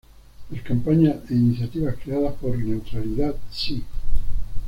Las campañas e iniciativas creadas por Neutralidad Si!